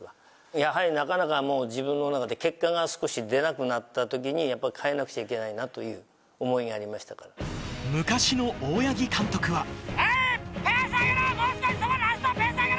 やはりなかなかもう自分の中で結果が少し出なくなったときに、やっぱり変えなくちゃいけないなという思いがありましたから。